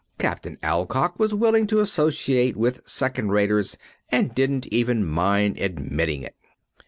Captain Alcock was willing to associate with second raters and didn't even mind admitting it.